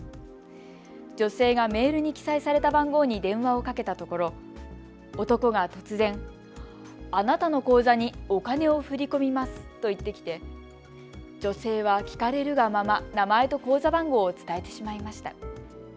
女性がメールに記載された番号に電話をかけたところ男が突然、あなたの口座にお金を振り込みますと言ってきて女性は聞かれるがまま名前と口座番号を伝えてしまいました。